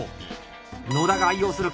野田が愛用する鉗子。